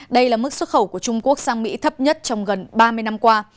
đây là mức xuất khẩu của trung quốc sang mỹ thấp nhất trong gần ba mươi năm qua